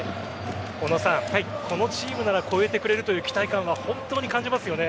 小野さん、このチームなら越えてくれるという期待感は本当に感じますよね。